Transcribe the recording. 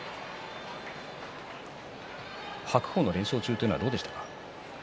白鵬の連勝中はどうでしたか。